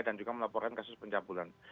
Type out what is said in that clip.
dan juga melaporkan kasus pencampuran